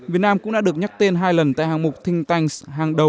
việt nam cũng đã được nhắc tên hai lần tại hạng mục thinh tanks hàng đầu